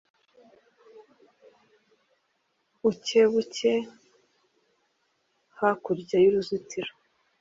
Ucyebuke hakurya y'uruzitiro